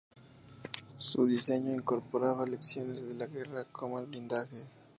Su diseño incorporaba lecciones de la guerra, como el blindaje.